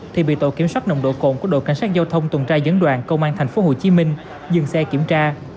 thì bị tổ kiểm soát nồng độ cồn của đội cảnh sát giao thông tuần tra dẫn đoàn công an tp hcm dừng xe kiểm tra